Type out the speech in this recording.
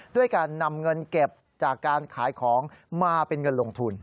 ด้วยการนำเงินเก็บจากการขายของมาเป็นเงินลงทุน